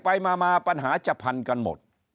ไปมาปัญหาจะพันกันหมด